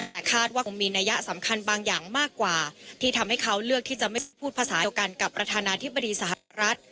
แต่คาดว่าคงมีนัยสำคัญบางอย่างมากกว่าที่ทำให้เขาเลือกที่จะไม่พูดภาษาเดียวกันกับประธานาธิบดีสหรัฐ